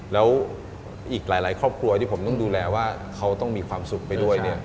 แล้วอีกหลายครอบครัวที่ผมต้องดูแลว่าเขาต้องมีความสุขไปด้วย